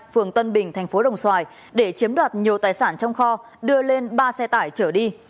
phường tân bình thành phố đồng xoài để chiếm đoạt nhiều tài sản trong kho đưa lên ba xe tải trở đi